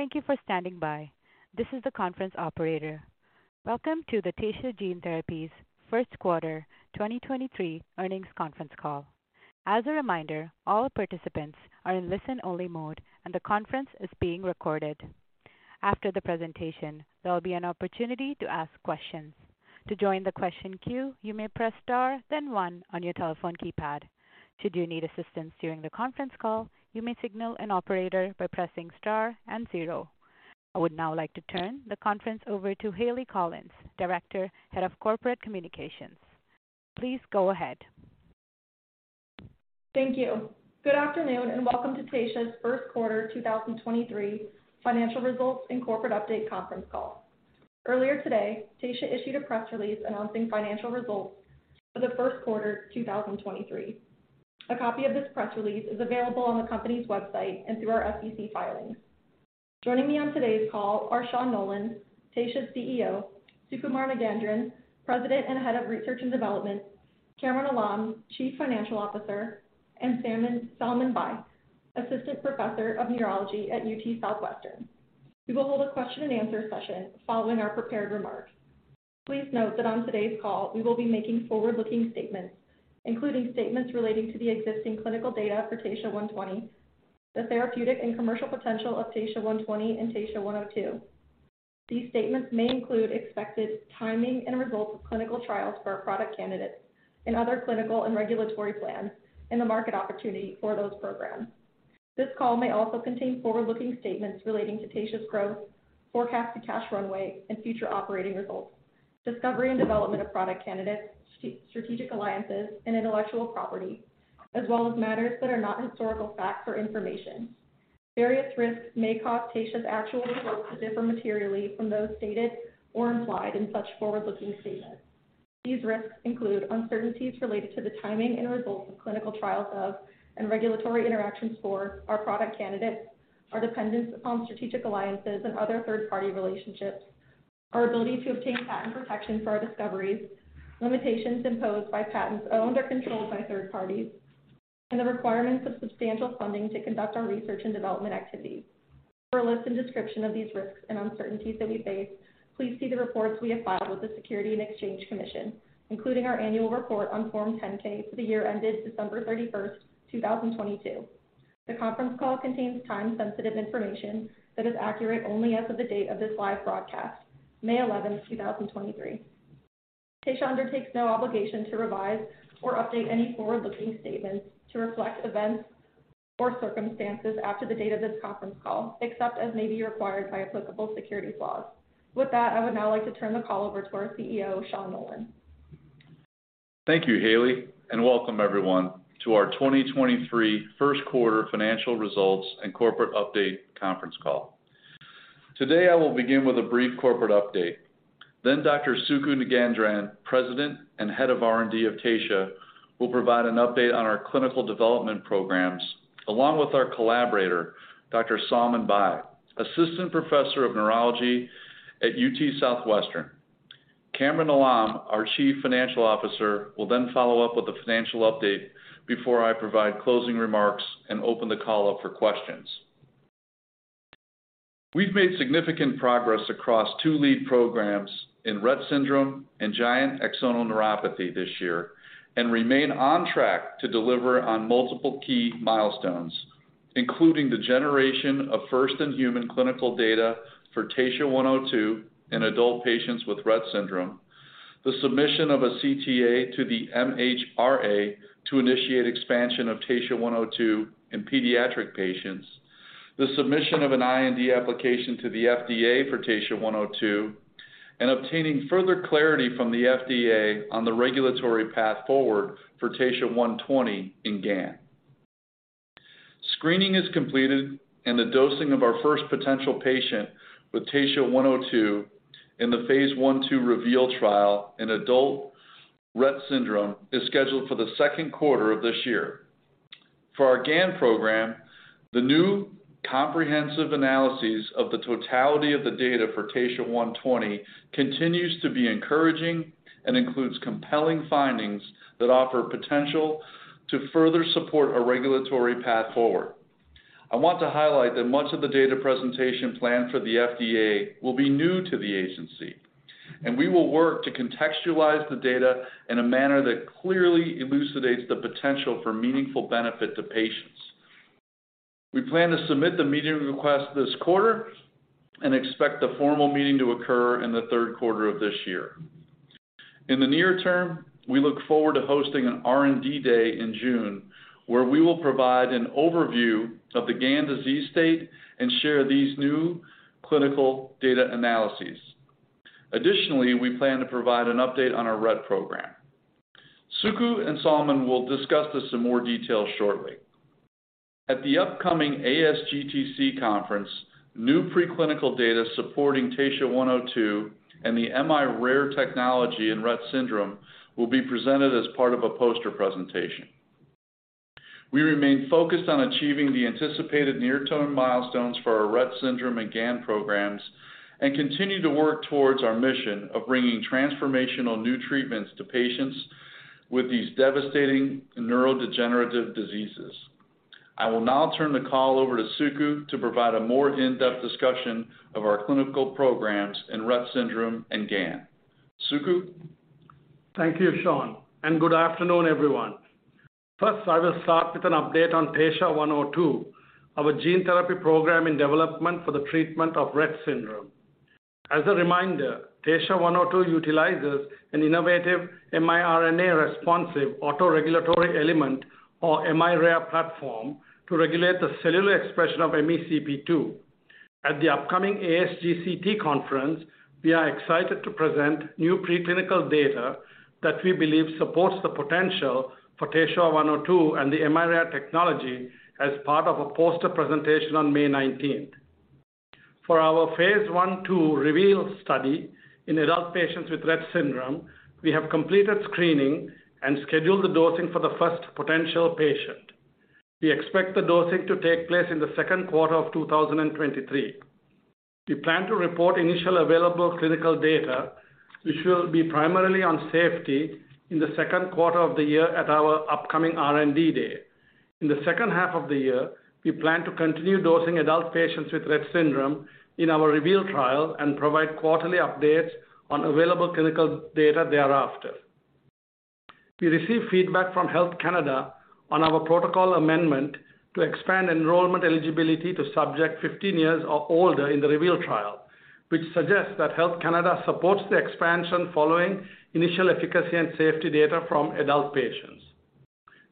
Thank you for standing by. This is the conference operator. Welcome to the Taysha Gene Therapies First Quarter 2023 Earnings Conference Call. As a reminder, all participants are in listen-only mode. The conference is being recorded. After the presentation, there will be an opportunity to ask questions. To join the question queue, you may press star then one on your telephone keypad. Should you need assistance during the conference call, you may signal an operator by pressing star and zero. I would now like to turn the conference over to Hayleigh Collins, Director, Head of Corporate Communications. Please go ahead. Thank you. Good afternoon, and welcome to Taysha's First Quarter 2023 Financial Results and Corporate Update Conference Call. Earlier today, Taysha issued a press release announcing financial results for the first quarter 2023. A copy of this press release is available on the company's website and through our SEC filings. Joining me on today's call are Sean Nolan, Taysha's CEO, Sukumar Nagendran, President and Head of Research and Development, Kamran Alam, Chief Financial Officer, and Salman Bhai, Assistant Professor of Neurology at UT Southwestern. We will hold a question and answer session following our prepared remarks. Please note that on today's call, we will be making forward-looking statements, including statements relating to the existing clinical data for TSHA-120, the therapeutic and commercial potential of TSHA-120 and TSHA-102. These statements may include expected timing and results of clinical trials for our product candidates and other clinical and regulatory plans in the market opportunity for those programs. This call may also contain forward-looking statements relating to Taysha's growth, forecasted cash runway, and future operating results, discovery and development of product candidates, strategic alliances and intellectual property, as well as matters that are not historical facts or information. Various risks may cause Taysha's actual results to differ materially from those stated or implied in such forward-looking statements. These risks include uncertainties related to the timing and results of clinical trials of, and regulatory interactions for, our product candidates, our dependence upon strategic alliances and other third-party relationships, our ability to obtain patent protection for our discoveries, limitations imposed by patents owned or controlled by third parties, and the requirements of substantial funding to conduct our research and development activities. For a list and description of these risks and uncertainties that we face, please see the reports we have filed with the Securities and Exchange Commission, including our annual report on Form 10-K for the year ended December 31st, 2022. The conference call contains time-sensitive information that is accurate only as of the date of this live broadcast, May 11th, 2023. Taysha undertakes no obligation to revise or update any forward-looking statements to reflect events or circumstances after the date of this conference call, except as may be required by applicable securities laws. I would now like to turn the call over to our CEO, Sean Nolan. Thank you, Hayleigh, and welcome everyone to our 2023 first quarter financial results and corporate update conference call. Today, I will begin with a brief corporate update. Dr. Sukumar Nagendran, President and Head of R&D of Taysha, will provide an update on our clinical development programs, along with our collaborator, Dr. Salman Bhai, Assistant Professor of Neurology at UT Southwestern. Kamran Alam, our Chief Financial Officer, will then follow up with a financial update before I provide closing remarks and open the call up for questions. We've made significant progress across two lead programs in Rett syndrome and giant axonal neuropathy this year and remain on track to deliver on multiple key milestones, including the generation of first-in-human clinical data for TSHA-102 in adult patients with Rett syndrome, the submission of a CTA to the MHRA to initiate expansion of TSHA-102 in pediatric patients, the submission of an IND application to the FDA for TSHA-102, and obtaining further clarity from the FDA on the regulatory path forward for TSHA-120 in GAN. Screening is completed, and the dosing of our first potential patient with TSHA-102 in the phase I/II REVEAL trial in adult Rett syndrome is scheduled for the second quarter of this year. For our GAN program, the new comprehensive analyses of the totality of the data for TSHA-120 continues to be encouraging and includes compelling findings that offer potential to further support a regulatory path forward. I want to highlight that much of the data presentation plan for the FDA will be new to the agency, and we will work to contextualize the data in a manner that clearly elucidates the potential for meaningful benefit to patients. We plan to submit the meeting request this quarter and expect the formal meeting to occur in the third quarter of this year. In the near term, we look forward to hosting an R&D day in June, where we will provide an overview of the GAN disease state and share these new clinical data analyses. Additionally, we plan to provide an update on our Rett program. Suku and Salman will discuss this in more detail shortly. At the upcoming ASGCT conference, new preclinical data supporting Taysha 102 and the miRARE technology in Rett syndrome will be presented as part of a poster presentation. We remain focused on achieving the anticipated near-term milestones for our Rett syndrome and GAN programs and continue to work towards our mission of bringing transformational new treatments to patients with these devastating neurodegenerative diseases. I will now turn the call over to Suku to provide a more in-depth discussion of our clinical programs in Rett syndrome and GAN. Suku? Thank you, Sean. Good afternoon, everyone. First, I will start with an update on TSHA-102, our gene therapy program in development for the treatment of Rett syndrome. As a reminder, TSHA-102 utilizes an innovative miRNA-Responsive Auto-Regulatory Element, or miRARE platform, to regulate the cellular expression of MECP2. At the upcoming ASGCT conference, we are excited to present new preclinical data that we believe supports the potential for TSHA-102 and the miRARE technology as part of a poster presentation on May 19th. For our phase I/II REVEAL study in adult patients with Rett syndrome, we have completed screening and scheduled the dosing for the first potential patient. We expect the dosing to take place in the second quarter of 2023. We plan to report initial available clinical data, which will be primarily on safety in the second quarter of the year at our upcoming R&D day. In the second half of the year, we plan to continue dosing adult patients with Rett syndrome in our REVEAL trial and provide quarterly updates on available clinical data thereafter. We received feedback from Health Canada on our protocol amendment to expand enrollment eligibility to subject 15 years or older in the REVEAL trial, which suggests that Health Canada supports the expansion following initial efficacy and safety data from adult patients.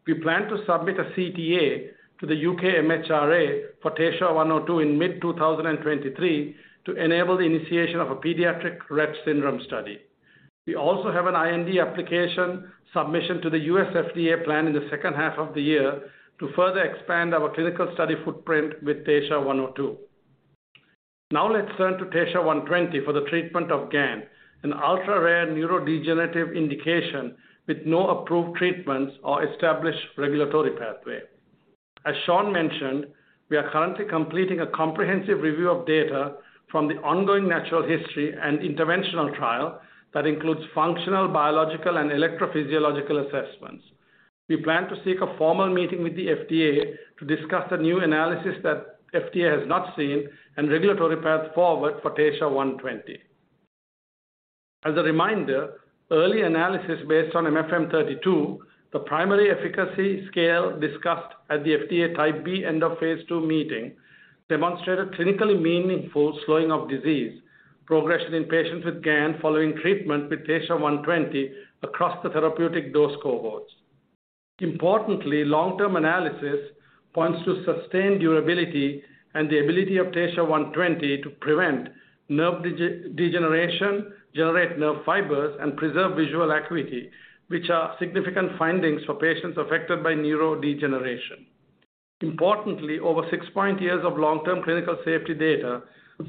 We plan to submit a CTA to the UK MHRA for TSHA-102 in mid 2023 to enable the initiation of a pediatric Rett syndrome study. We also have an IND application submission to the U.S. FDA plan in the second half of the year to further expand our clinical study footprint with TSHA-102. Let's turn to TSHA-120 for the treatment of GAN, an ultra-rare neurodegenerative indication with no approved treatments or established regulatory pathway. As Sean mentioned, we are currently completing a comprehensive review of data from the ongoing natural history and interventional trial that includes functional, biological, and electrophysiological assessments. We plan to seek a formal meeting with the FDA to discuss the new analysis that FDA has not seen and regulatory path forward for TSHA-120. As a reminder, early analysis based on MFM32, the primary efficacy scale discussed at the FDA Type B End-of-Phase II meeting, demonstrated clinically meaningful slowing of disease progression in patients with GAN following treatment with TSHA-120 across the therapeutic dose cohorts. Importantly, long-term analysis points to sustained durability and the ability of TSHA-120 to prevent nerve degeneration, generate nerve fibers, and preserve visual acuity, which are significant findings for patients affected by neurodegeneration. Importantly, over 6+ years of long-term clinical safety data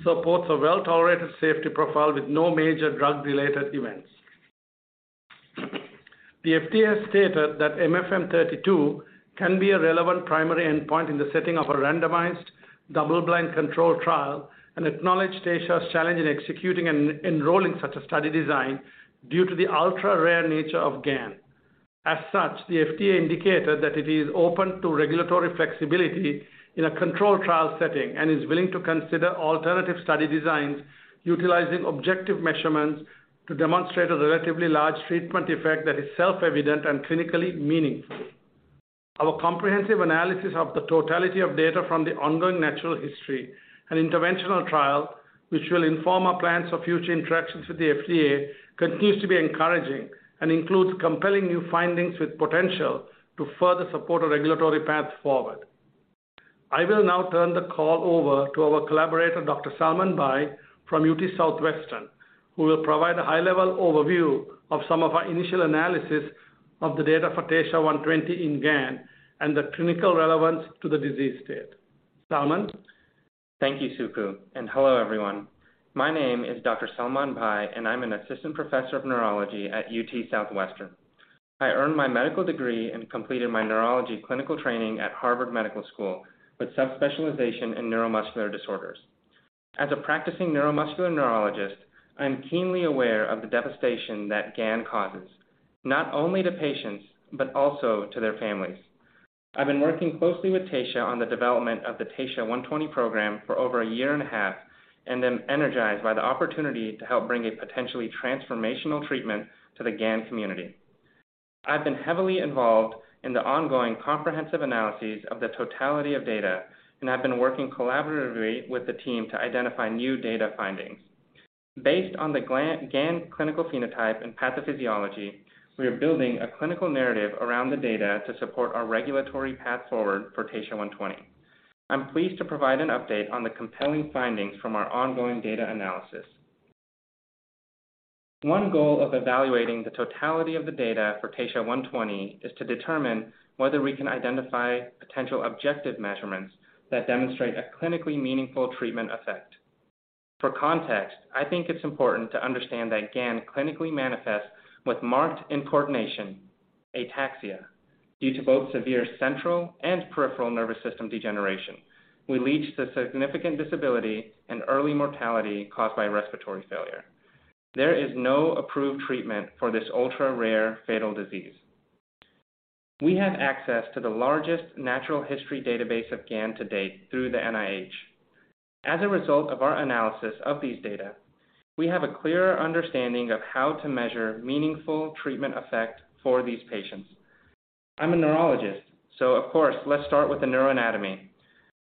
supports a well-tolerated safety profile with no major drug-related events. The FDA has stated that MFM32 can be a relevant primary endpoint in the setting of a randomized double-blind controlled trial and acknowledged Taysha's challenge in executing and enrolling such a study design due to the ultra-rare nature of GAN. As such, the FDA indicated that it is open to regulatory flexibility in a controlled trial setting and is willing to consider alternative study designs utilizing objective measurements to demonstrate a relatively large treatment effect that is self-evident and clinically meaningful. Our comprehensive analysis of the totality of data from the ongoing natural history and interventional trial, which will inform our plans for future interactions with the FDA, continues to be encouraging and includes compelling new findings with potential to further support a regulatory path forward. I will now turn the call over to our collaborator, Dr. Salman Bhai from UT Southwestern, who will provide a high-level overview of some of our initial analysis of the data for TSHA-120 in GAN and the clinical relevance to the disease state. Salman? Thank you, Suku, and hello, everyone. My name is Dr. Salman Bhai, and I'm an assistant professor of neurology at UT Southwestern. I earned my medical degree and completed my neurology clinical training at Harvard Medical School with sub-specialization in neuromuscular disorders. As a practicing neuromuscular neurologist, I am keenly aware of the devastation that GAN causes, not only to patients, but also to their families. I've been working closely with Taysha on the development of the Taysha TSHA-120 program for over a year and a half, and am energized by the opportunity to help bring a potentially transformational treatment to the GAN community. I've been heavily involved in the ongoing comprehensive analyses of the totality of data and have been working collaboratively with the team to identify new data findings. Based on the GAN clinical phenotype and pathophysiology, we are building a clinical narrative around the data to support our regulatory path forward for TSHA-120. I'm pleased to provide an update on the compelling findings from our ongoing data analysis. One goal of evaluating the totality of the data for TSHA-120 is to determine whether we can identify potential objective measurements that demonstrate a clinically meaningful treatment effect. For context, I think it's important to understand that GAN clinically manifests with marked incoordination, ataxia. Due to both severe central and peripheral nervous system degeneration will lead to significant disability and early mortality caused by respiratory failure. There is no approved treatment for this ultra-rare fatal disease. We have access to the largest natural history database of GAN to date through the NIH. As a result of our analysis of these data, we have a clearer understanding of how to measure meaningful treatment effect for these patients. I'm a neurologist, so of course, let's start with the neuroanatomy.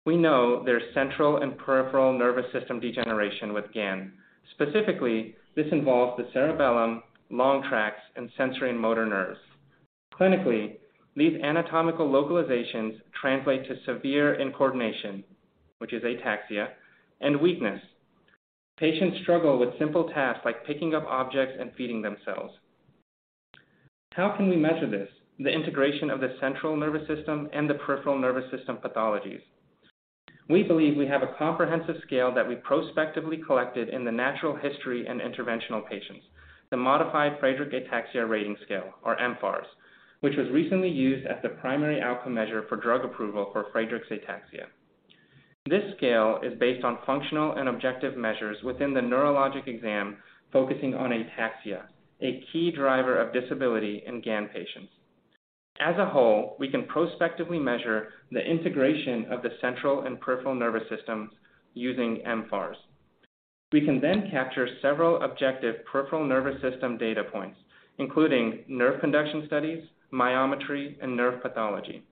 We know there's central and peripheral nervous system degeneration with GAN. Specifically, this involves the cerebellum, long tracts, and sensory and motor nerves. Clinically, these anatomical localizations translate to severe incoordination, which is ataxia, and weakness. Patients struggle with simple tasks like picking up objects and feeding themselves. How can we measure this, the integration of the central nervous system and the peripheral nervous system pathologies? We believe we have a comprehensive scale that we prospectively collected in the natural history and interventional patients, the Modified Friedreich's Ataxia Rating Scale, or mFARS, which was recently used as the primary outcome measure for drug approval for Friedreich's ataxia. This scale is based on functional and objective measures within the neurologic exam, focusing on ataxia, a key driver of disability in GAN patients. As a whole, we can prospectively measure the integration of the central and peripheral nervous systems using mFARS. We can capture several objective peripheral nervous system data points, including nerve conduction studies, myometry, and nerve pathology.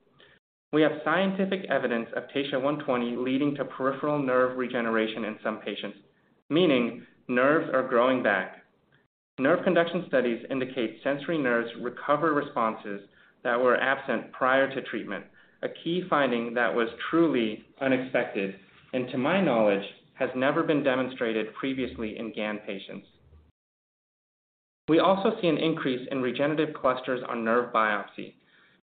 We have scientific evidence of TSHA-120 leading to peripheral nerve regeneration in some patients, meaning nerves are growing back. Nerve conduction studies indicate sensory nerves recover responses that were absent prior to treatment, a key finding that was truly unexpected, and to my knowledge, has never been demonstrated previously in GAN patients. We also see an increase in regenerative clusters on nerve biopsy.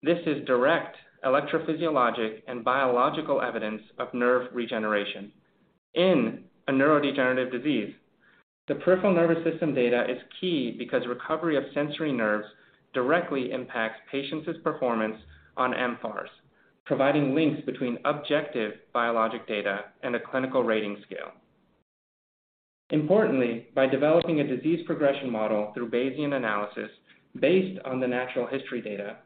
This is direct electrophysiologic and biological evidence of nerve regeneration in a neurodegenerative disease. The peripheral nervous system data is key because recovery of sensory nerves directly impacts patients' performance on mFARS, providing links between objective biologic data and a clinical rating scale. By developing a disease progression model through Bayesian analysis based on the natural history data,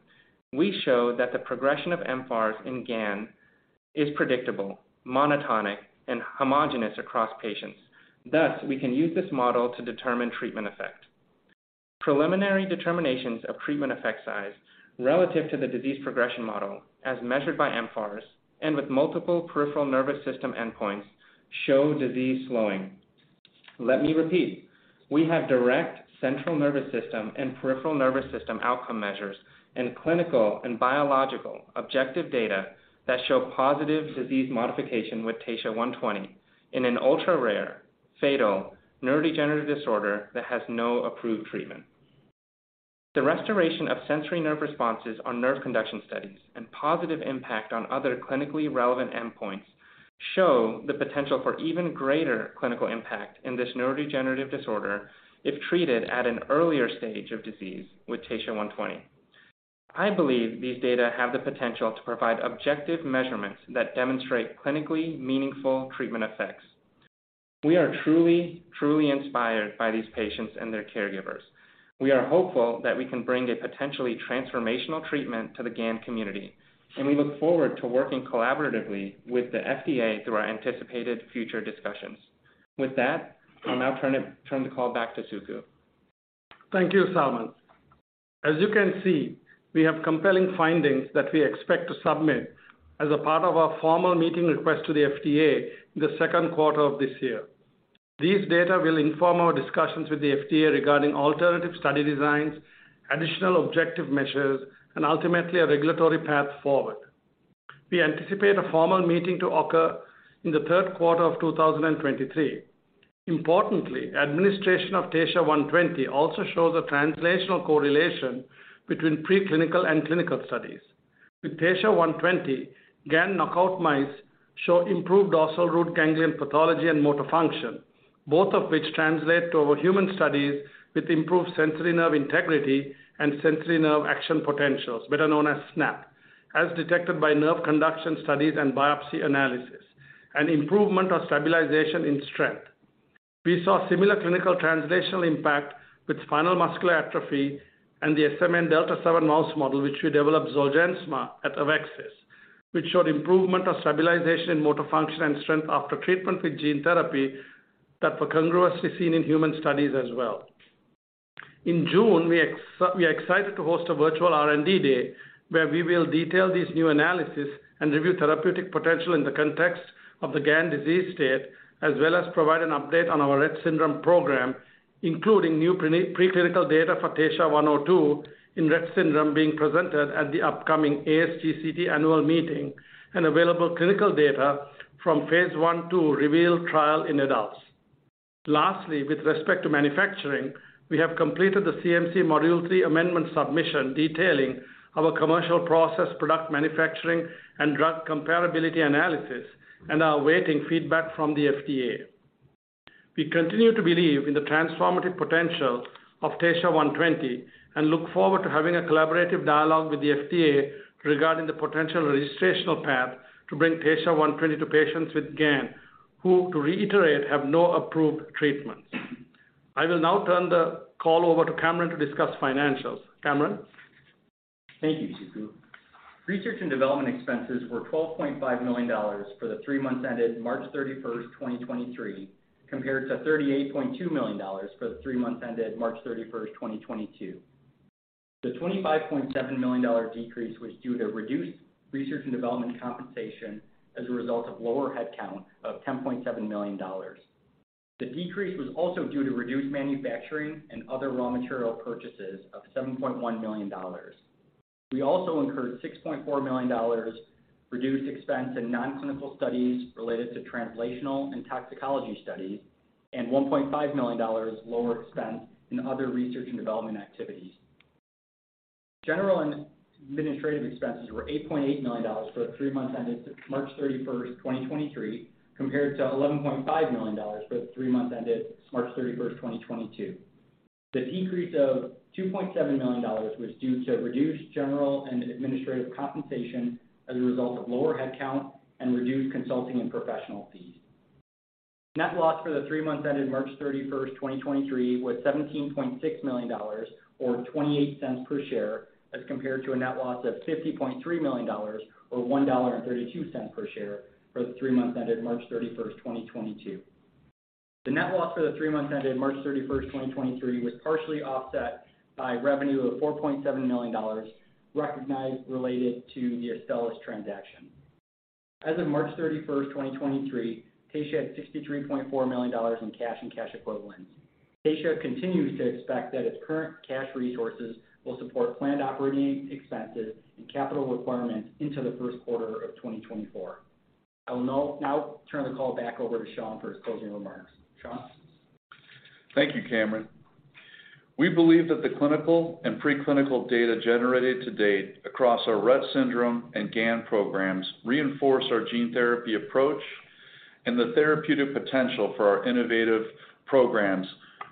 we show that the progression of mFARS in GAN is predictable, monotonic, and homogenous across patients. We can use this model to determine treatment effect. Preliminary determinations of treatment effect size relative to the disease progression model, as measured by mFARS and with multiple peripheral nervous system endpoints, show disease slowing. Let me repeat. We have direct central nervous system and peripheral nervous system outcome measures in clinical and biological objective data that show positive disease modification with TSHA-120 in an ultra-rare, fatal neurodegenerative disorder that has no approved treatment. The restoration of sensory nerve responses on nerve conduction studies and positive impact on other clinically relevant endpoints show the potential for even greater clinical impact in this neurodegenerative disorder if treated at an earlier stage of disease with TSHA-120. I believe these data have the potential to provide objective measurements that demonstrate clinically meaningful treatment effects. We are truly inspired by these patients and their caregivers. We are hopeful that we can bring a potentially transformational treatment to the GAN community. We look forward to working collaboratively with the FDA through our anticipated future discussions. With that, I'll now turn the call back to Suku. Thank you, Salman. As you can see, we have compelling findings that we expect to submit as a part of our formal meeting request to the FDA in the second quarter of this year. These data will inform our discussions with the FDA regarding alternative study designs, additional objective measures, and ultimately, a regulatory path forward. We anticipate a formal meeting to occur in the third quarter of 2023. Importantly, administration of TSHA-120 also shows a translational correlation between preclinical and clinical studies. With TSHA-120, GAN knockout mice show improved dorsal root ganglion pathology and motor function, both of which translate to our human studies with improved sensory nerve integrity and sensory nerve action potentials, better known as SNAP, as detected by nerve conduction studies and biopsy analysis, and improvement or stabilization in strength. We saw similar clinical translational impact with spinal muscular atrophy and the SMN Delta 7 mouse model, which we developed Zolgensma at AveXis, which showed improvement or stabilization in motor function and strength after treatment with gene therapy that were congruously seen in human studies as well. In June, we are excited to host a virtual R&D day where we will detail these new analysis and review therapeutic potential in the context of the GAN disease state, as well as provide an update on our Rett syndrome program, including new preclinical data for TSHA-102 in Rett syndrome being presented at the upcoming ASGCT annual meeting and available clinical data from phase I/II REVEAL trial in adults. Lastly, with respect to manufacturing, we have completed the CMC Module 3 amendment submission detailing our commercial process, product manufacturing, and drug comparability analysis and are awaiting feedback from the FDA. We continue to believe in the transformative potential of TSHA-120 and look forward to having a collaborative dialogue with the FDA regarding the potential registrational path to bring TSHA-120 to patients with GAN, who, to reiterate, have no approved treatments. I will now turn the call over to Kamran to discuss financials. Kamran? Thank you, Suku. Research and development expenses were $12.5 million for the three months ended March 31st, 2023, compared to $38.2 million for the three months ended March 31st, 2022. The $25.7 million decrease was due to reduced research and development compensation as a result of lower headcount of $10.7 million. The decrease was also due to reduced manufacturing and other raw material purchases of $7.1 million. We also incurred $6.4 million reduced expense in non-clinical studies related to translational and toxicology studies, and $1.5 million lower expense in other research and development activities. General and administrative expenses were $8.8 million for the three months ended March 31st, 2023, compared to $11.5 million for the three months ended March 31st, 2022. The decrease of $2.7 million was due to reduced general and administrative compensation as a result of lower headcount and reduced consulting and professional fees. Net loss for the three months ended March 31st, 2023, was $17.6 million or $0.28 per share as compared to a net loss of $50.3 million or $1.32 per share for the three months ended March 31st, 2022. The net loss for the three months ended March 31st, 2023, was partially offset by revenue of $4.7 million recognized related to the Astellas transaction. As of March 31st, 2023, Taysha had $63.4 million in cash and cash equivalents. Taysha continues to expect that its current cash resources will support planned operating expenses and capital requirements into the first quarter of 2024. I will now turn the call back over to Sean for his closing remarks. Sean? Thank you, Kamran. We believe that the clinical and pre-clinical data generated to date across our Rett syndrome and GAN programs reinforce our gene therapy approach and the therapeutic potential for our innovative programs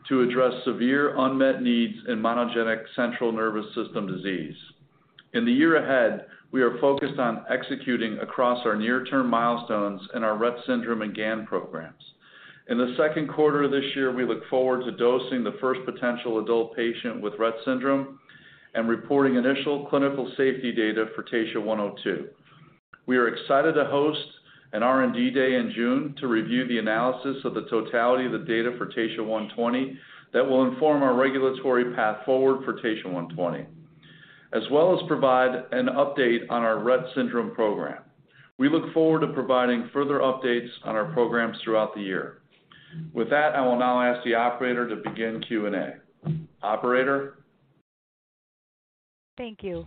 to address severe unmet needs in monogenic central nervous system disease. In the year ahead, we are focused on executing across our near-term milestones in our Rett syndrome and GAN programs. In the second quarter of this year, we look forward to dosing the first potential adult patient with Rett syndrome and reporting initial clinical safety data for TSHA-102. We are excited to host an R&D day in June to review the analysis of the totality of the data for TSHA-120 that will inform our regulatory path forward for TSHA-120, as well as provide an update on our Rett syndrome program. We look forward to providing further updates on our programs throughout the year. With that, I will now ask the operator to begin Q&A. Operator? Thank you.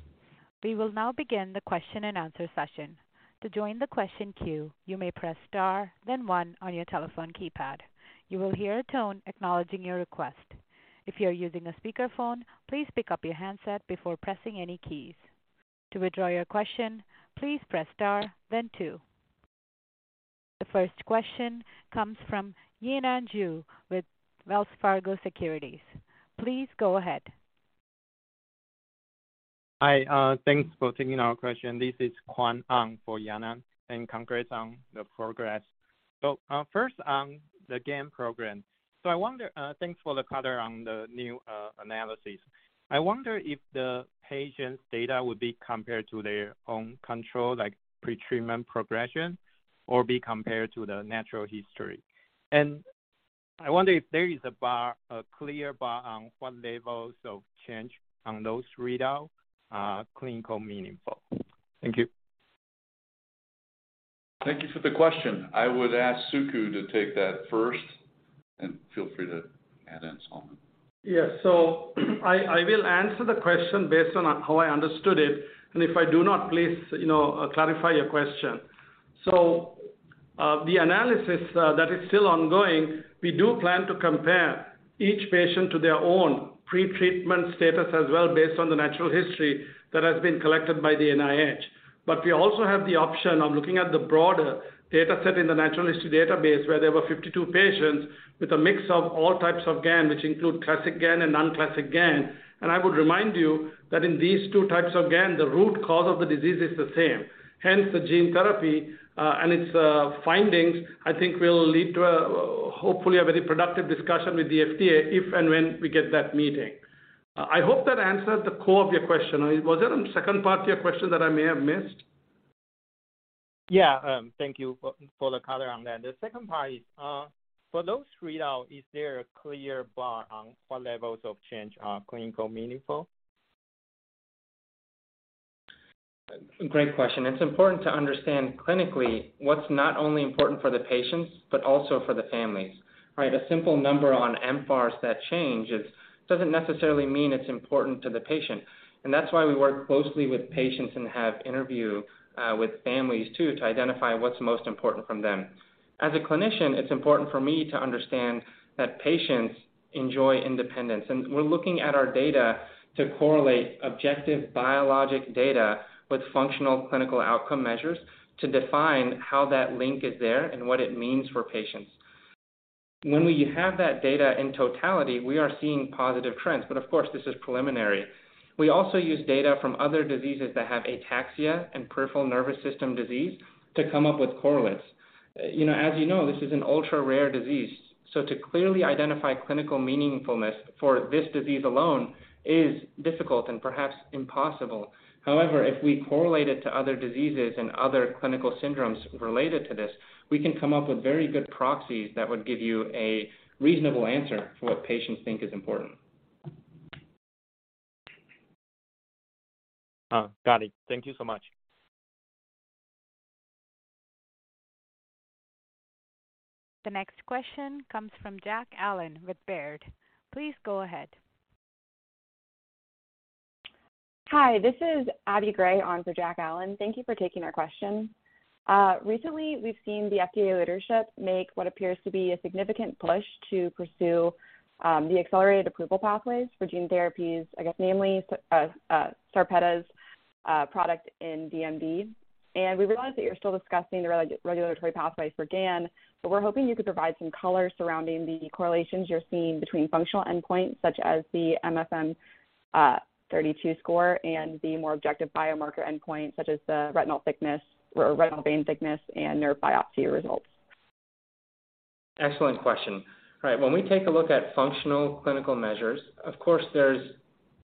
We will now begin the question-and-answer session. To join the question queue, you may press star then one on your telephone keypad. You will hear a tone acknowledging your request. If you are using a speakerphone, please pick up your handset before pressing any keys. To withdraw your question, please press star then two. The first question comes from Yanan Zhu with Wells Fargo Securities. Please go ahead. Hi, thanks for taking our question. This is Kwan Hong for Yanan. Congrats on the progress. First on the GAN program. I wonder, thanks for the color on the new analysis. I wonder if the patient's data would be compared to their own control, like pretreatment progression, or be compared to the natural history. I wonder if there is a bar, a clear bar on what levels of change on those readout are clinically meaningful. Thank you. Thank you for the question. I would ask Suku to take that first, and feel free to add in, Salman. Yes. I will answer the question based on how I understood it, and if I do not, please, you know, clarify your question. The analysis that is still ongoing, we do plan to compare each patient to their own pretreatment status as well based on the natural history that has been collected by the NIH. We also have the option of looking at the broader dataset in the natural history database, where there were 52 patients with a mix of all types of GAN, which include classic GAN and non-classic GAN. I would remind you that in these two types of GAN, the root cause of the disease is the same. Hence, the gene therapy and its findings, I think will lead to a, hopefully, a very productive discussion with the FDA if and when we get that meeting. I hope that answered the core of your question. Was there a second part to your question that I may have missed? Yeah. Thank you for the color on that. The second part is for those readout, is there a clear bar on what levels of change are clinical meaningful? Great question. It's important to understand clinically what's not only important for the patients, but also for the families, right? A simple number on mFARS that change is, doesn't necessarily mean it's important to the patient. That's why we work closely with patients and have interview with families too to identify what's most important from them. As a clinician, it's important for me to understand that patients enjoy independence, and we're looking at our data to correlate objective biologic data with functional clinical outcome measures to define how that link is there and what it means for patients. When we have that data in totality, we are seeing positive trends. Of course, this is preliminary. We also use data from other diseases that have ataxia and peripheral nervous system disease to come up with correlates. You know, as you know, this is an ultra rare disease. To clearly identify clinical meaningfulness for this disease alone is difficult and perhaps impossible. However, if we correlate it to other diseases and other clinical syndromes related to this, we can come up with very good proxies that would give you a reasonable answer for what patients think is important. got it. Thank you so much. The next question comes from Jack Allen with Baird. Please go ahead. Hi, this is Abbie Gray on for Jack Allen. Thank you for taking our question. Recently we've seen the FDA leadership make what appears to be a significant push to pursue the accelerated approval pathways for gene therapies, I guess mainly Sarepta's product in DMD. We realize that you're still discussing the regulatory pathways for GAN, but we're hoping you could provide some color surrounding the correlations you're seeing between functional endpoints such as the MFM32 score and the more objective biomarker endpoint, such as the retinal thickness or retinal vein thickness and nerve biopsy results. Excellent question. Right, when we take a look at functional clinical measures, of course there's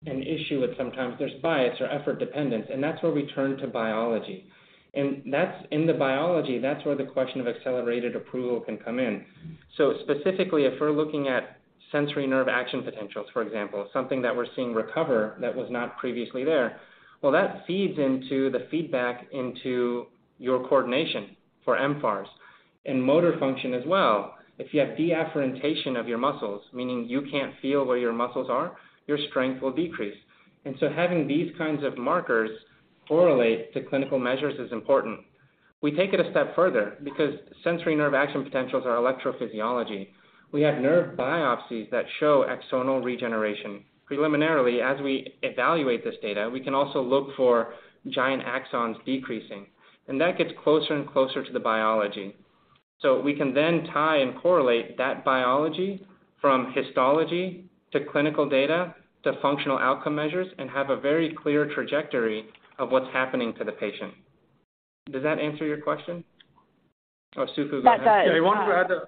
an issue with sometimes there's bias or effort dependence, that's where we turn to biology. That's, in the biology, that's where the question of accelerated approval can come in. Specifically, if we're looking at sensory nerve action potentials, for example, something that we're seeing recover that was not previously there, well, that feeds into the feedback into your coordination for mFARS and motor function as well. If you have deafferentation of your muscles, meaning you can't feel where your muscles are, your strength will decrease. Having these kinds of markers correlate to clinical measures is important. We take it a step further because sensory nerve action potentials are electrophysiology. We have nerve biopsies that show axonal regeneration. Preliminarily, as we evaluate this data, we can also look for giant axons decreasing, that gets closer and closer to the biology. We can then tie and correlate that biology from histology to clinical data to functional outcome measures and have a very clear trajectory of what's happening to the patient. Does that answer your question? That does. Yeah, I want to add.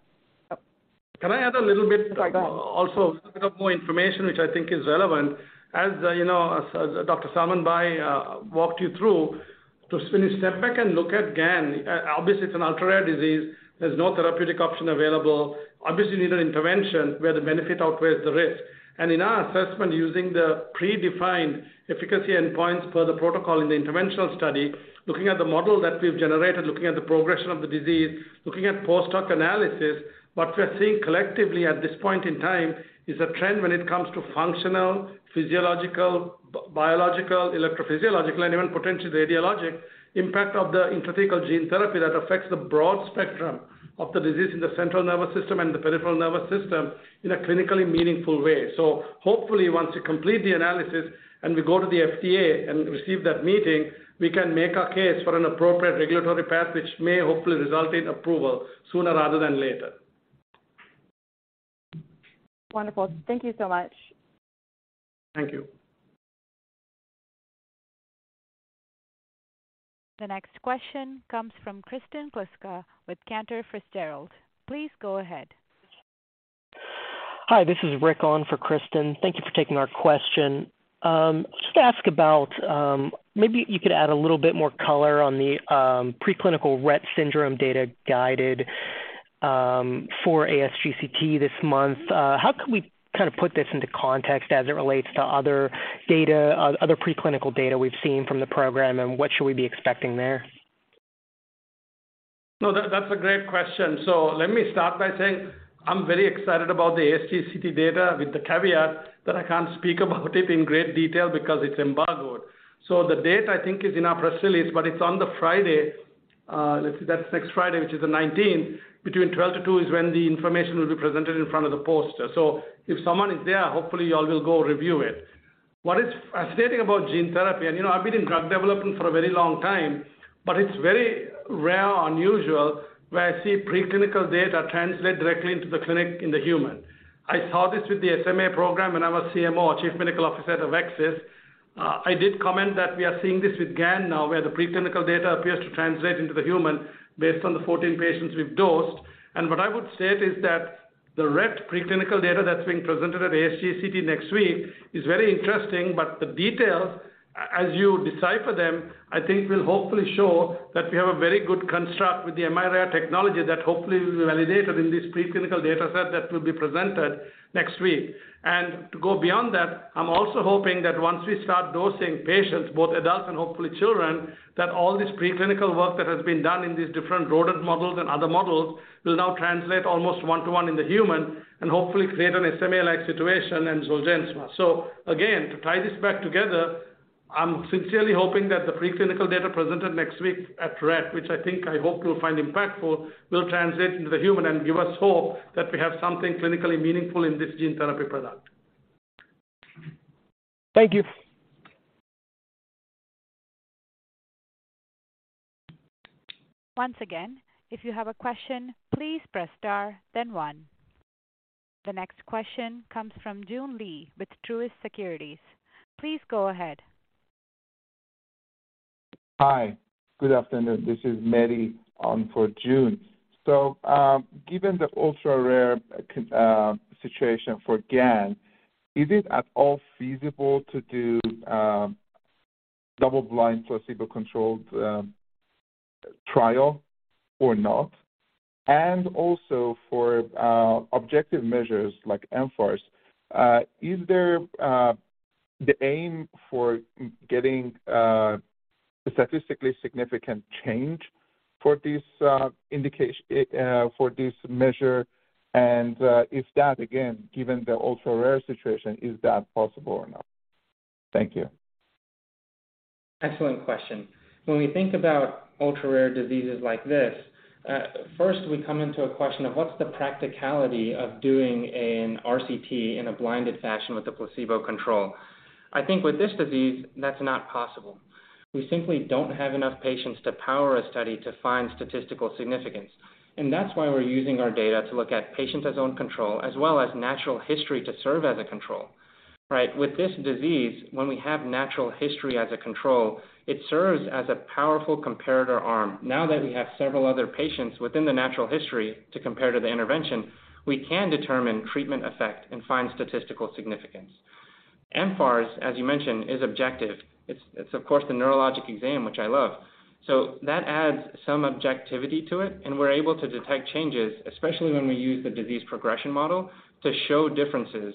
Can I add a little bit- Sorry, go on. A bit of more information, which I think is relevant. As, you know, as Dr. Salman Bhai walked you through, to step back and look at GAN, obviously it's an ultra-rare disease. There's no therapeutic option available. Obviously, you need an intervention where the benefit outweighs the risk. In our assessment, using the predefined efficacy endpoints per the protocol in the interventional study, looking at the model that we've generated, looking at the progression of the disease, looking at post-hoc analysis, what we're seeing collectively at this point in time is a trend when it comes to functional, physiological, biological, electrophysiological, and even potentially radiologic impact of the intrathecal gene therapy that affects the broad spectrum of the disease in the central nervous system and the peripheral nervous system in a clinically meaningful way. Hopefully, once you complete the analysis and we go to the FDA and receive that meeting, we can make our case for an appropriate regulatory path, which may hopefully result in approval sooner rather than later. Wonderful. Thank you so much. Thank you. The next question comes from Kristen Kluska with Cantor Fitzgerald. Please go ahead. Hi, this is Rick on for Kristen. Thank you for taking our question. Just to ask about, maybe you could add a little bit more color on the preclinical Rett syndrome data guided for ASGCT this month. How can we kind of put this into context as it relates to other data, other preclinical data we've seen from the program, and what should we be expecting there? That's a great question. Let me start by saying I'm very excited about the ASGCT data with the caveat that I can't speak about it in great detail because it's embargoed. The date, I think, is in our press release, but it's on the Friday, let's see, that's next Friday, which is the 19th, between 12 to 2 is when the information will be presented in front of the poster. If someone is there, hopefully you all will go review it. What is fascinating about gene therapy, and you know, I've been in drug development for a very long time, but it's very rare or unusual where I see preclinical data translate directly into the clinic in the human. I saw this with the SMA program when I was CMO, Chief Medical Officer at AveXis. I did comment that we are seeing this with GAN now, where the preclinical data appears to translate into the human based on the 14 patients we've dosed. What I would state is that the Rett preclinical data that's being presented at ASGCT next week is very interesting, but the details, as you decipher them, I think will hopefully show that we have a very good construct with the miRNA technology that hopefully will be validated in this preclinical data set that will be presented next week. To go beyond that, I'm also hoping that once we start dosing patients, both adults and hopefully children, that all this preclinical work that has been done in these different rodent models and other models will now translate almost one to one in the human and hopefully create an SMA-like situation and Zolgensma. Again, to tie this back together, I'm sincerely hoping that the preclinical data presented next week at Rett, which I think I hope you'll find impactful, will translate into the human and give us hope that we have something clinically meaningful in this gene therapy product. Thank you. Once again, if you have a question, please press Star then one. The next question comes from Joon Lee with Truist Securities. Please go ahead. Hi. Good afternoon. This is Mary on for Joon. Given the ultra-rare situation for GAN, is it at all feasible to do double-blind, placebo-controlled trial or not? Also for objective measures like mFARS, is there the aim for getting a statistically significant change for this measure? Is that, again, given the ultra-rare situation, is that possible or not? Thank you. Excellent question. When we think about ultra-rare diseases like this, first we come into a question of what's the practicality of doing an RCT in a blinded fashion with a placebo control. I think with this disease, that's not possible. We simply don't have enough patients to power a study to find statistical significance. That's why we're using our data to look at patients as own control as well as natural history to serve as a control. Right? With this disease, when we have natural history as a control, it serves as a powerful comparator arm. Now that we have several other patients within the natural history to compare to the intervention, we can determine treatment effect and find statistical significance. mFARS, as you mentioned, is objective. It's of course the neurologic exam, which I love. That adds some objectivity to it, and we're able to detect changes, especially when we use the disease progression model, to show differences.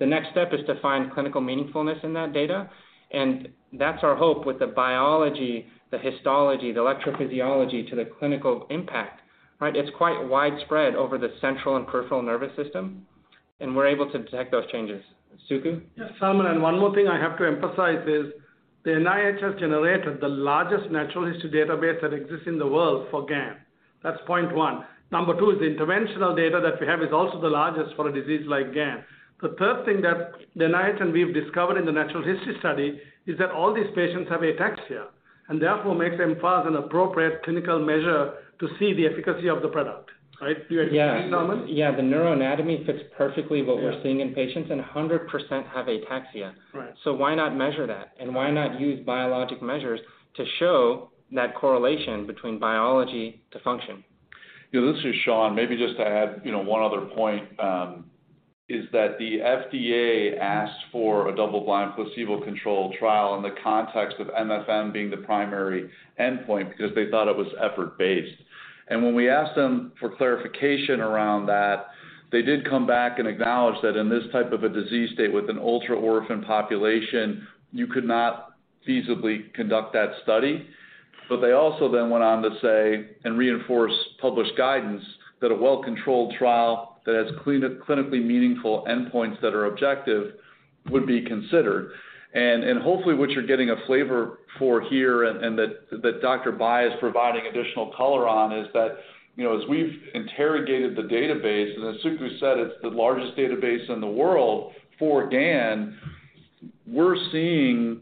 The next step is to find clinical meaningfulness in that data, and that's our hope with the biology, the histology, the electrophysiology to the clinical impact. Right? It's quite widespread over the central and peripheral nervous system, and we're able to detect those changes. Suku? Yes, Salman, one more thing I have to emphasize is the NIH generated the largest natural history database that exists in the world for GAN. That's point 1. Number 2 is the interventional data that we have is also the largest for a disease like GAN. The third thing that the NIH and we've discovered in the natural history study is that all these patients have ataxia, and therefore makes mFARS an appropriate clinical measure to see the efficacy of the product, right? Do you agree, Salman? Yeah. Yeah. The neuroanatomy fits perfectly. Yeah. What we're seeing in patients, 100% have ataxia. Right. Why not measure that? Why not use biologic measures to show that correlation between biology to function? Yeah, this is Sean. Maybe just to add, you know, one other point, is that the FDA asks for a double-blind placebo-controlled trial in the context of MFM being the primary endpoint because they thought it was effort-based. When we asked them for clarification around that, they did come back and acknowledge that in this type of a disease state with an ultra-orphan population, you could not feasibly conduct that study. They also then went on to say and reinforce published guidance that a well-controlled trial that has clinically meaningful endpoints that are objective would be considered. Hopefully, what you're getting a flavor for here and that Dr. Bhai is providing additional color on is that, you know, as we've interrogated the database, and as Suku said, it's the largest database in the world for GAN. We're seeing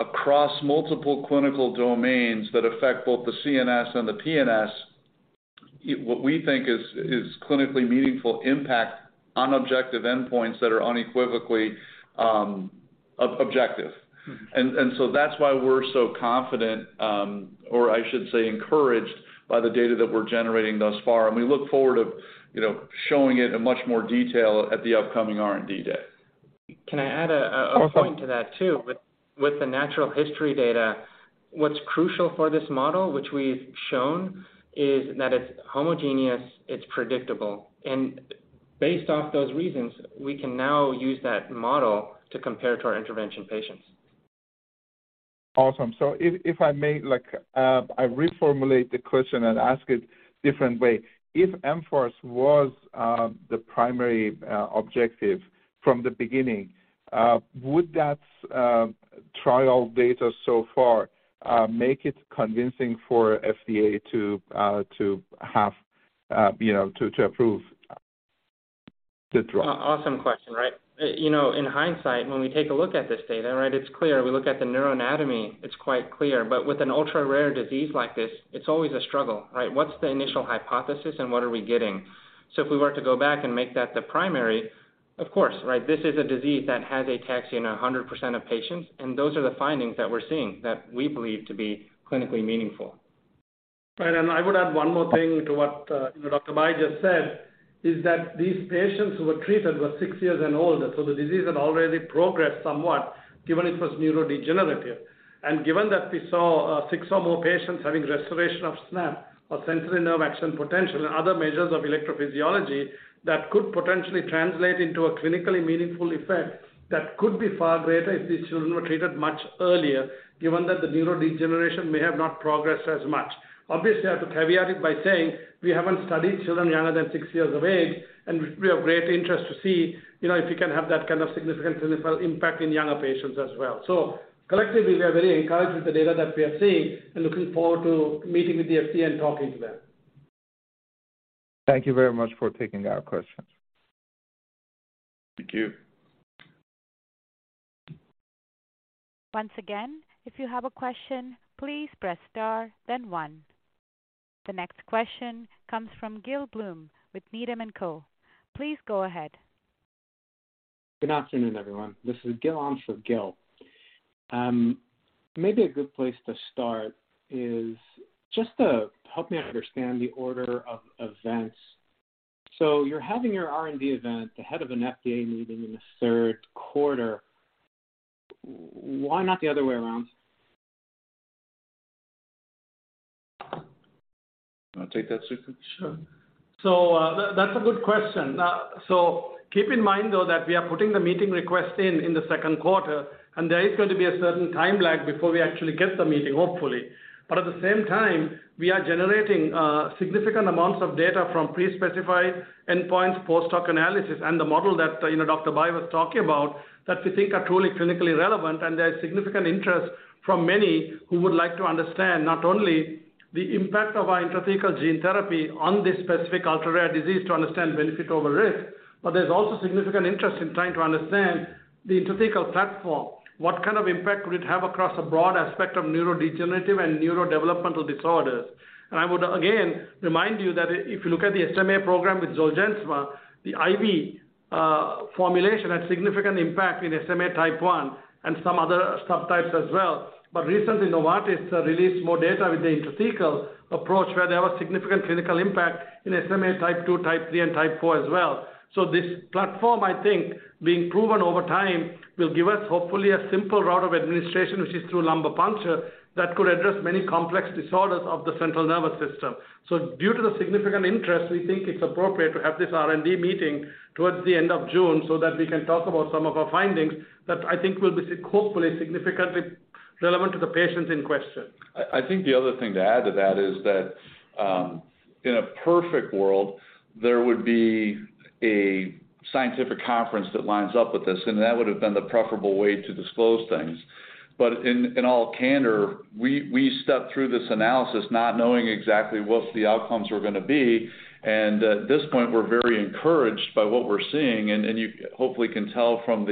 across multiple clinical domains that affect both the CNS and the PNS, what we think is clinically meaningful impact on objective endpoints that are unequivocally objective. That's why we're so confident, or I should say encouraged by the data that we're generating thus far. We look forward of, you know, showing it in much more detail at the upcoming R&D Day. Can I add a. Of course. point to that too? With the natural history data, what's crucial for this model, which we've shown, is that it's homogeneous, it's predictable. Based off those reasons, we can now use that model to compare to our intervention patients. Awesome. If I may, like, I reformulate the question and ask it different way. If mFARS was the primary objective from the beginning, would that trial data so far make it convincing for FDA to have, you know, to approve the drug? Awesome question, right? You know, in hindsight, when we take a look at this data, right, it's clear. We look at the neuroanatomy, it's quite clear. With an ultra-rare disease like this, it's always a struggle, right? What's the initial hypothesis and what are we getting? If we were to go back and make that the primary, of course, right? This is a disease that has ataxia in 100% of patients, and those are the findings that we're seeing that we believe to be clinically meaningful. Then I would add one more thing to what, you know, Dr. Bhai just said, is that these patients who were treated were 6 years and older, so the disease had already progressed somewhat, given it was neurodegenerative. Given that we saw, 6 or more patients having restoration of SNAP, or sensory nerve action potential, and other measures of electrophysiology, that could potentially translate into a clinically meaningful effect that could be far greater if these children were treated much earlier, given that the neurodegeneration may have not progressed as much. Obviously, I have to caveat it by saying we haven't studied children younger than 6 years of age, and we have great interest to see, you know, if we can have that kind of significant clinical impact in younger patients as well. Collectively, we are very encouraged with the data that we are seeing and looking forward to meeting with the FDA and talking to them. Thank you very much for taking our questions. Thank you. Once again, if you have a question, please press star then one. The next question comes from Gil Blum with Needham & Company. Please go ahead. Good afternoon, everyone. This is Gil on for Gil. Maybe a good place to start is just to help me understand the order of events. You're having your R&D event ahead of an FDA meeting in the third quarter. Why not the other way around? You wanna take that, Suku? Sure. That's a good question. Keep in mind, though, that we are putting the meeting request in in the second quarter, and there is going to be a certain time lag before we actually get the meeting, hopefully. At the same time, we are generating significant amounts of data from pre-specified endpoints, post-hoc analysis, and the model that, you know, Dr. Bhai was talking about that we think are truly clinically relevant. There's significant interest from many who would like to understand not only the impact of our intrathecal gene therapy on this specific ultra-rare disease to understand benefit over risk, but there's also significant interest in trying to understand the intrathecal platform. What kind of impact could it have across a broad aspect of neurodegenerative and neurodevelopmental disorders? I would again remind you that if you look at the SMA program with Zolgensma, the IV formulation had significant impact in SMA type 1 and some other subtypes as well. Recently, Novartis released more data with the intrathecal approach, where there was significant clinical impact in SMA type 2, type 3, and type 4 as well. This platform, I think, being proven over time, will give us, hopefully, a simple route of administration, which is through lumbar puncture, that could address many complex disorders of the central nervous system. Due to the significant interest, we think it's appropriate to have this R&D meeting towards the end of June so that we can talk about some of our findings that I think will be hopefully significantly relevant to the patients in question. I think the other thing to add to that is that in a perfect world, there would be a scientific conference that lines up with this. That would have been the preferable way to disclose things. In all candor, we stepped through this analysis not knowing exactly what the outcomes were gonna be. At this point, we're very encouraged by what we're seeing. You hopefully can tell from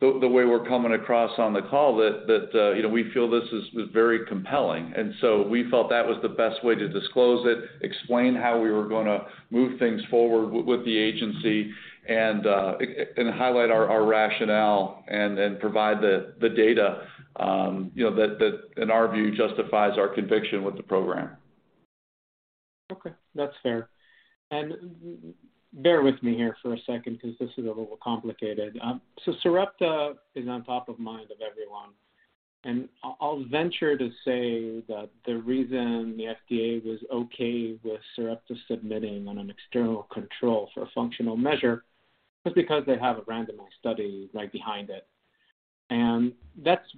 the way we're coming across on the call that, you know, we feel this is very compelling. We felt that was the best way to disclose it, explain how we were gonna move things forward with the agency and highlight our rationale and provide the data, you know, that in our view justifies our conviction with the program. Okay, that's fair. bear with me here for a second 'cause this is a little complicated. Sarepta is on top of mind of everyone, and I'll venture to say that the reason the FDA was okay with Sarepta submitting on an external control for a functional measure was because they have a randomized study right behind it. That's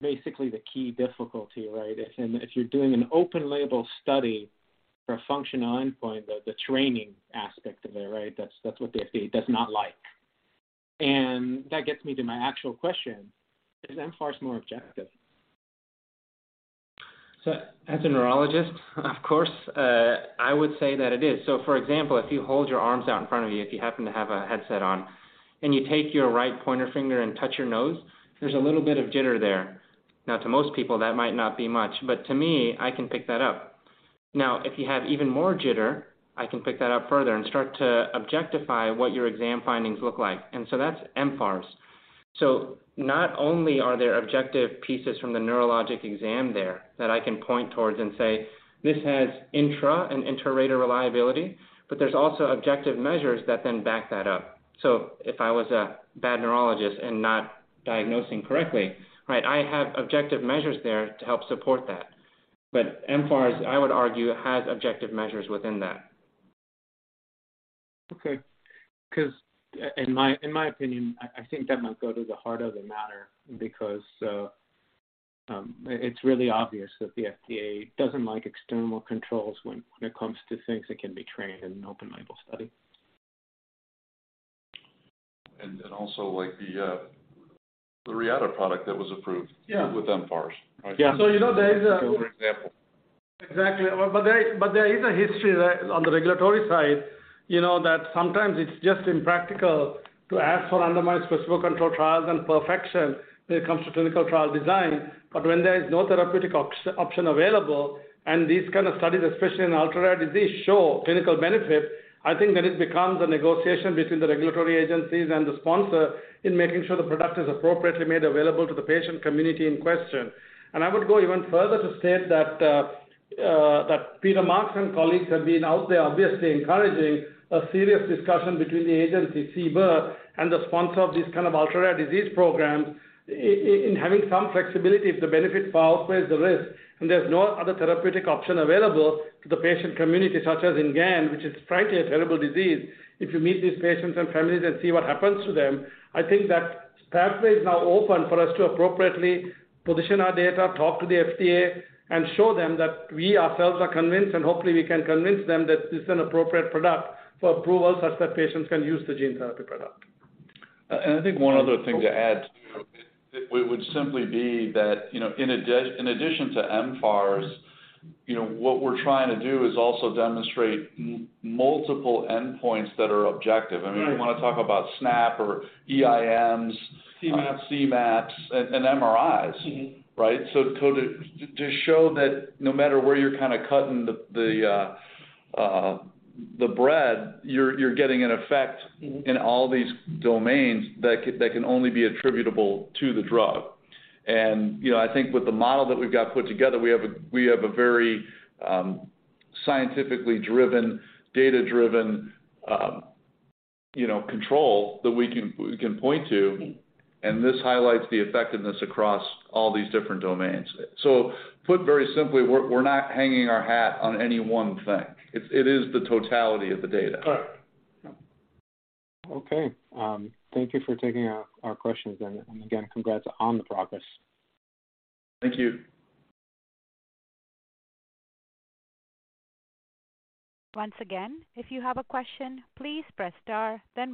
basically the key difficulty, right? If you're doing an open label study for a functional endpoint, the training aspect of it, right? That's what the FDA does not like. That gets me to my actual question: Is mFARS more objective? As a neurologist, of course, I would say that it is. For example, if you hold your arms out in front of you, if you happen to have a headset on, and you take your right 1 pointer finger and touch your nose, there's a little bit of jitter there. To most people, that might not be much, but to me, I can pick that up. If you have even more jitter, I can pick that up further and start to objectify what your exam findings look like. That's mFARS. Not only are there objective pieces from the neurologic exam there that I can point towards and say, "This has intra and inter-rater reliability," but there's also objective measures that then back that up. If I was a bad neurologist and not diagnosing correctly, right, I have objective measures there to help support that. mFARS, I would argue, has objective measures within that. 'Cause in my opinion, I think that might go to the heart of the matter, because it's really obvious that the FDA doesn't like external controls when it comes to things that can be trained in an open label study. Also like the Reata product that was approved. Yeah. with mFARS, right? Yeah. you know, there is. Give her example. Exactly. There is a history there on the regulatory side, you know, that sometimes it's just impractical to ask for randomized specific control trials and perfection when it comes to clinical trial design. When there is no therapeutic opt-option available and these kind of studies, especially in ultra-rare disease, show clinical benefit, I think then it becomes a negotiation between the regulatory agencies and the sponsor in making sure the product is appropriately made available to the patient community in question. I would go even further to state that Peter Marks and colleagues have been out there obviously encouraging a serious discussion between the agency CBER and the sponsor of these kind of ultra-rare disease programs in having some flexibility if the benefit far outweighs the risk and there's no other therapeutic option available to the patient community, such as in GAN, which is frankly a terrible disease. If you meet these patients and families and see what happens to them, I think that pathway is now open for us to appropriately position our data, talk to the FDA, and show them that we ourselves are convinced, and hopefully we can convince them that this is an appropriate product for approval such that patients can use the gene therapy product. I think one other thing to add, too, it would simply be that, you know, in addition to mFARS, you know, what we're trying to do is also demonstrate multiple endpoints that are objective. Right. I mean, we wanna talk about SNAP or EIMs. CMAP. CMAPs and MRIs. Mm-hmm. Right? To show that no matter where you're kinda cutting the bread, you're getting an effect. Mm-hmm. in all these domains that can only be attributable to the drug. You know, I think with the model that we've got put together, we have a very scientifically driven, data-driven, you know, control that we can point to. Mm-hmm. This highlights the effectiveness across all these different domains. Put very simply, we're not hanging our hat on any one thing. It is the totality of the data. Right. Yeah. Okay. Thank you for taking our questions then. Again, congrats on the progress. Thank you. Once again, if you have a question, please press star then one.